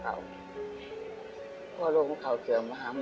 เพราะว่าโรคเขาเกิดมาหาหมอ